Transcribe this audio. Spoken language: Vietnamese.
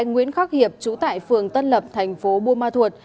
nguyễn khắc hiệp chú tải phường tân lập thành phố bu ma thuột